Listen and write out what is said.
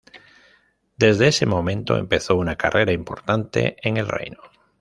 Desde ese momento empezó una carrera importante en el reino.